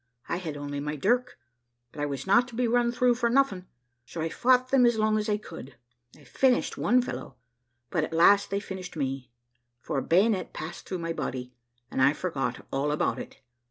I had only my dirk, but I was not to be run through for nothing, so I fought them as long as I could, I finished one fellow, but at last they finished me; for a bayonet passed through my body, and I forgot all about it.